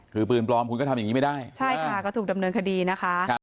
คือปืนปลอมคุณก็ทำอย่างนี้ไม่ได้ใช่ค่ะก็ถูกดำเนินคดีนะคะ